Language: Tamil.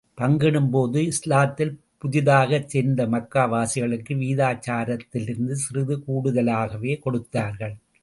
பங்கிடும் போது, இஸ்லாத்தில் புதிதாகச் சேர்ந்த மக்காவாசிகளுக்கு வீதாச்சாரத்திலிருந்து சிறிது கூடுதலாகவே கொடுத்தார்கள்.